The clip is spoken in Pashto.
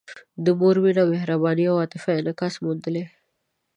د مور مینه، مهرباني او عاطفه انعکاس موندلی.